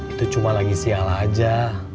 itu cuma lagi sial aja